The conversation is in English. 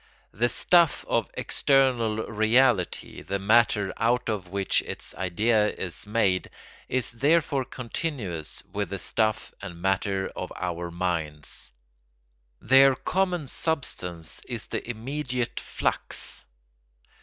The stuff of external reality, the matter out of which its idea is made, is therefore continuous with the stuff and matter of our own minds. Their common substance is the immediate flux.